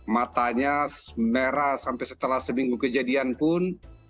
matanya merah sampai setelah seminggu kejadian pun